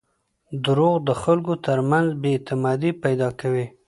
• دروغ د خلکو ترمنځ بېاعتمادي پیدا کوي.